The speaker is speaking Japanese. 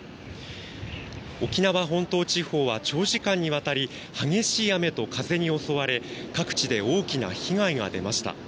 沖縄本島地方は長時間にわたり激しい雨と風に襲われ各地で大きな被害が出ました。